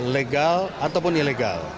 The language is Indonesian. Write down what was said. legal ataupun ilegal